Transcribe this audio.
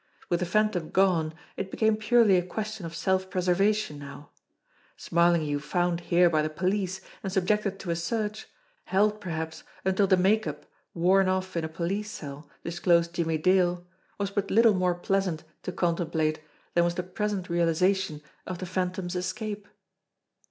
With the Phantom gone, it became purely a question of self preservation now. Smarlinghue found here by the police and subjected to a search, held perhaps until the make up, worn off in a police cell, disclosed Jimmie Dale, was but little more pleasant to 186 JIMMIE DALE AND THE PHANTOM CLUE contemplate than was the present realisation of the Phan tom's escape